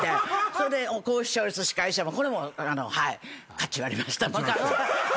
それで高視聴率司会者これもかち割りました。